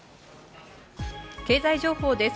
経済情報です。